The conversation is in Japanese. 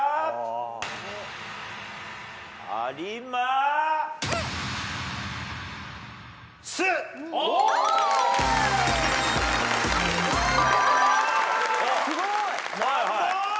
・すごい！